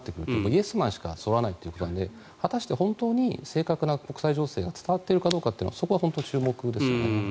イエスマンしか沿わないという感じで果たして本当に正確な国際情勢が伝わっているかというのはそこは注目ですよね。